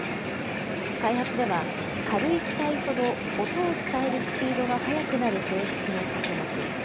開発では、軽い気体ほど音を伝えるスピードが速くなる性質に着目。